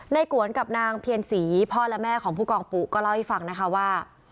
กวนกับนางเพียรศรีพ่อและแม่ของผู้กองปุ๊ก็เล่าให้ฟังนะคะว่า